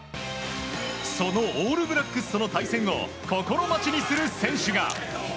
そのオールブラックスとの対戦を心待ちにする選手が。